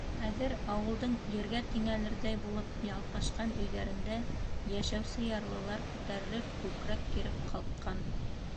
Хәҙер ауылдың ергә тиңәлерҙәй булып ялпашҡан өйҙәрендә йәшәүсе ярлылар күтәрелеп, күкрәк киреп ҡалҡҡан.